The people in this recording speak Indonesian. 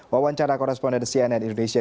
wawancara koresponder cnn indonesia